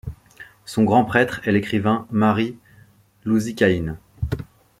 Son grand prêtre est l'écrivain mari Louzykaïne.